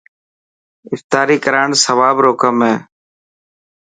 افتاري ڪراڻ سواب رو ڪم هي